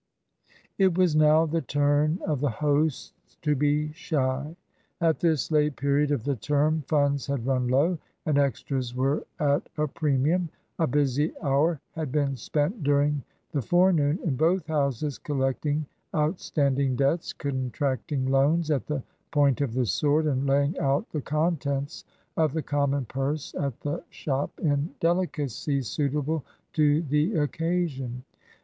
It was now the turn of the hosts to be shy. At this late period of the term funds had run low, and extras were at a premium. A busy hour had been spent during the forenoon in both houses collecting outstanding debts, contracting loans at the point of the sword, and laying out the contents of the common purse at the shop in delicacies suitable to the occasion.